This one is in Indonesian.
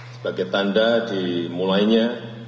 sebagai tanda dimulainya